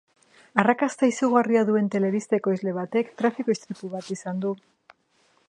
Arrakasta izugarri duen telebista ekoizle batek trafiko istripu bat izan du.